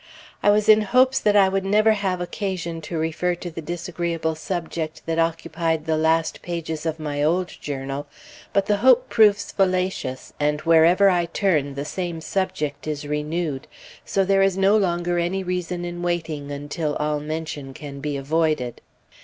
I was in hopes that I would never have occasion to refer to the disagreeable subject that occupied the last pages of my old journal, but the hope proves fallacious, and wherever I turn, the same subject is renewed. So there is no longer any reason in waiting until all mention can be avoided.